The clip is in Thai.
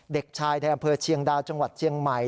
เด็กชายในอำเภอเชียงดาวจังหวัดเชียงใหม่